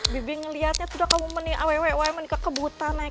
bibi ngeliatnya tuh udah kamu menikah kebuta